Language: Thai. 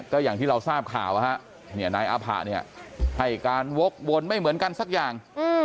ก็อย่างที่เราทราบข่าวนายอาผะเนี่ยให้การวกวนไม่เหมือนกันสักอย่าง